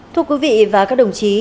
thưa quý vị và các đồng chí